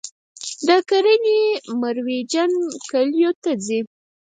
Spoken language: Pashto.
د کرنې مرویجین کلیو ته ځي